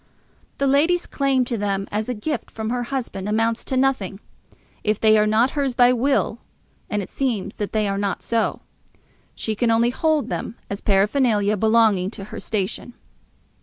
The lady's claim to them as a gift from her husband amounts to nothing. If they are not hers by will, and it seems that they are not so, she can only hold them as paraphernalia belonging to her station.